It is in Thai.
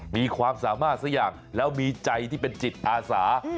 มีความสามารถสักอย่างแล้วมีใจที่เป็นจิตอาสา